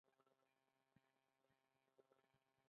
څو کسان ستاسو په ډلګي کې شامل دي؟